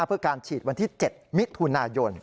เพื่อการฉีดวันที่๗มิถุนายน